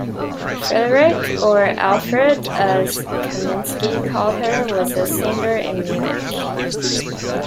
Friederike or Elfriede as Kaminski called her, was a singer in Munich.